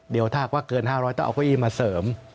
เดี๋ยวถ้าว่าเกิน๕๐๐ต้องเอาเก้าอี้มาเสริม